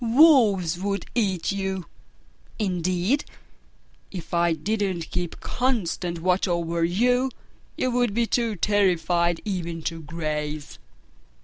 Wolves would eat you! Indeed, if I didn't keep constant watch over you, you would be too terrified even to graze!"